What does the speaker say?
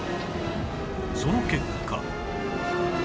その結果